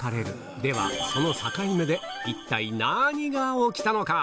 では、その境目で一体、何が起きたのか？